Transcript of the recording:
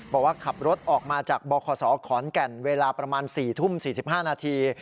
บอกว่าขับรถออกมาจากบคศขอนแก่นเวลาประมาณ๔ทุ่ม๔๕นาที